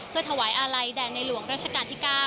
เพื่อถวายอาลัยแด่ในหลวงราชการที่๙